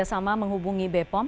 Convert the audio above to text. kerja sama menghubungi bepom